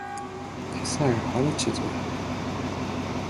پسر حالت چطوره؟